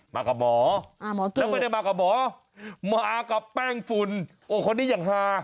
มากับหมอตัวแล้วไม่ได้มากับหมอมากับแป้งฝุ่นโอ้คนนี้อย่างฮา